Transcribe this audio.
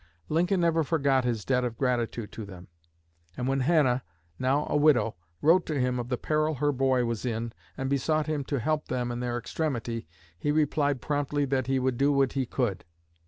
Lincoln never forgot his debt of gratitude to them; and when Hannah, now a widow, wrote to him of the peril her boy was in, and besought him to help them in their extremity, he replied promptly that he would do what he could.